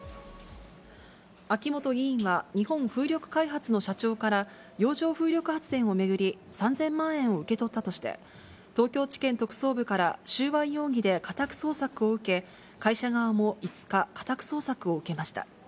秋本議員は日本風力開発の社長から、洋上風力発電を巡り、３０００万円を受け取ったとして、東京地検特捜部から収賄容疑で家宅捜索を受け、会社側も５日、家宅捜索を受けました。